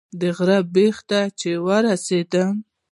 د غره بیخ ته چې ورسېدم.